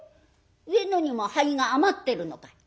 上野にも灰が余ってるのかい？」。